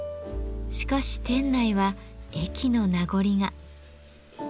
しかし店内は駅の名残が。